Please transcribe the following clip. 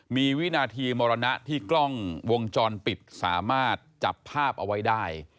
มีวินาทีมรณะที่กล้องวงจรปิดสามารถจับภาพเอาไว้ได้